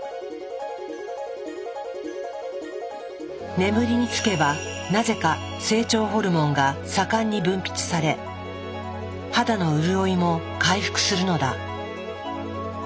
眠りにつけばなぜか成長ホルモンが盛んに分泌され肌の潤いも回復するのだ。